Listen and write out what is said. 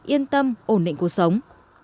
yên tâm ổn định cuộc sống